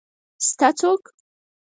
شته څوک؟